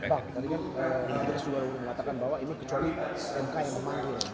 bapak tadi juga sudah mengatakan bahwa ini kecuali nk yang memanggil